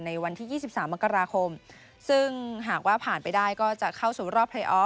ในวันที่ยี่สิบสามมักราคมซึ่งหากว่าผ่านไปได้ก็จะเข้าสู่รอบ